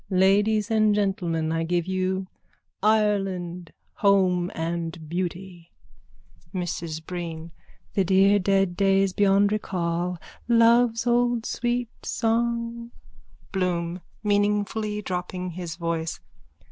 _ Ladies and gentlemen, I give you Ireland, home and beauty. MRS BREEN: The dear dead days beyond recall. Love's old sweet song. BLOOM: _(Meaningfully dropping his voice.)